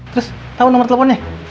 terus tau nomer teleponnya